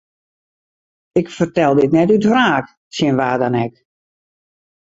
Ik fertel dit net út wraak tsjin wa dan ek.